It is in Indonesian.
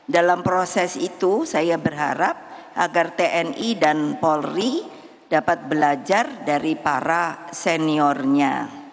dalam proses itu saya berharap agar tni dan polri dapat belajar dari para seniornya